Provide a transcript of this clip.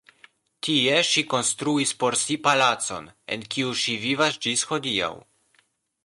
Tie ŝi konstruis por si palacon, en kiu ŝi vivas ĝis hodiaŭ.